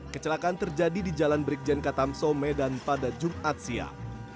kecelakaan terjadi di jalan brikjen katamso medan pada jumat siang